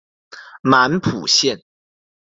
满浦线